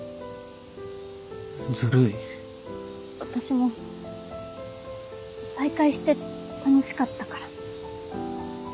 ズルい私も再会して楽しかったから。